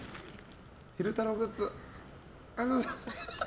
昼太郎グッズ。